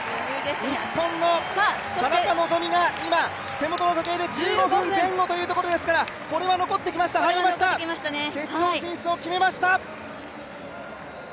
日本の田中希実が今手元の時計で１５分前後というところですからこれは残ってきました、入りました決勝進出を決めました！